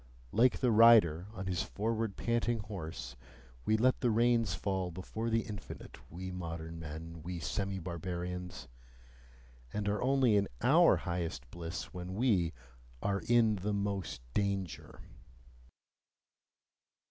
Like the rider on his forward panting horse, we let the reins fall before the infinite, we modern men, we semi barbarians and are only in OUR highest bliss when we ARE IN MOST DANGER.